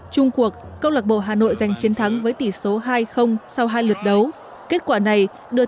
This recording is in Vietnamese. trung cuộc câu lạc bộ hà nội giành chiến thắng với tỷ số hai sau hai lượt đấu kết quả này đưa